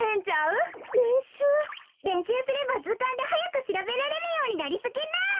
れんしゅう？れんしゅうすればずかんではやくしらべられるようになりすぎる。